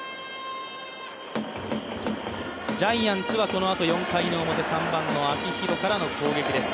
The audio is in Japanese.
ジャイアンツはこのあと４回表、３番の秋広からの攻撃です。